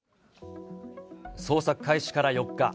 捜索開始から４日。